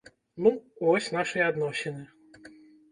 Ну, вось нашыя адносіны.